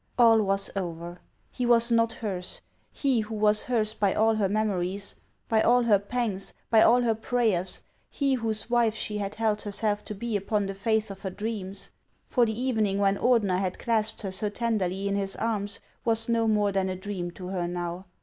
All was over ! He was not hers, 408 HANS OF ICELAND. he who was hers by all her memories, by all her pangs, by all her prayers, he whose wife she had held herself to be upon the faith of her dreams. For the evening when Ordener had clasped her so tenderly in his arms was no more than a dream to her now.